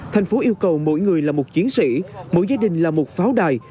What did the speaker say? thành phố yêu cầu mỗi người là một chiến sĩ mỗi gia đình là một pháo đài